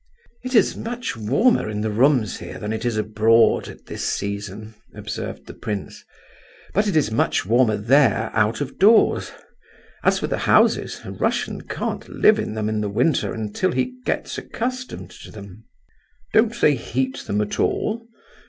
"It is much warmer in the rooms here than it is abroad at this season," observed the prince; "but it is much warmer there out of doors. As for the houses—a Russian can't live in them in the winter until he gets accustomed to them." "Don't they heat them at all?"